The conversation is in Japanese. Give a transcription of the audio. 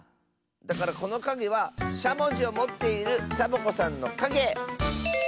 だからこのかげはしゃもじをもっているサボ子さんのかげ！